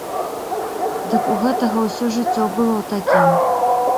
Дык у гэтага ўсё жыццё было такім.